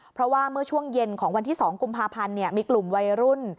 เพราะว่าเมื่อช่วงเย็นของวันที่๒กุมภาพันธ์มีกลุ่มวัยรุ่น